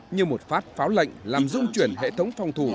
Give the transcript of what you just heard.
như một phát pháo lệnh làm dung chuyển hệ thống phòng thủ